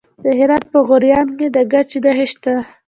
د هرات په غوریان کې د ګچ نښې شته.